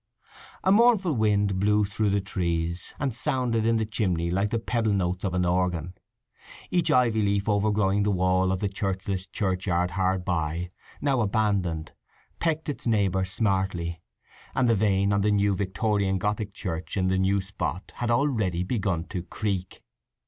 A mournful wind blew through the trees, and sounded in the chimney like the pedal notes of an organ. Each ivy leaf overgrowing the wall of the churchless church yard hard by, now abandoned, pecked its neighbour smartly, and the vane on the new Victorian Gothic church in the new spot had already begun to creak.